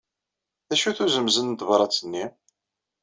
D acu-t uzemz n tebṛat-nni?